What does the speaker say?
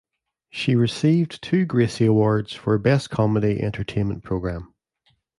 She received two 'Gracie Awards' for 'Best Comedy Entertainment Program.